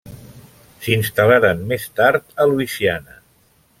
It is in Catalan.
S'instal·laren més tard a Louisiana.